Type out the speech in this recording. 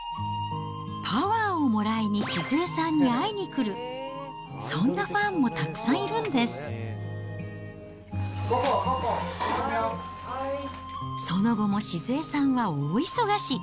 パワーをもらいに静恵さんに会いに来る、そんなファンもたく５個、その後も静恵さんは大忙し。